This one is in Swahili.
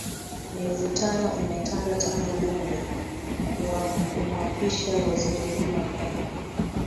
Mivutano imetanda tangu bunge kumwapisha Waziri Mkuu mapema